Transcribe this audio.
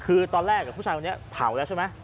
คือตอนแรกผู้ชายคนนี้เผาแล้วใช่ไหม